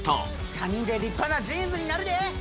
３人で立派なジーンズになるで！